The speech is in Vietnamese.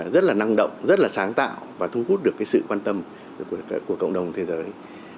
rất năng động rất sáng tạo và thu hút được sự quan tâm của cộng đồng thế giới